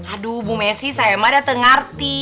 aduh bu messi saya mah udah tengah ngerti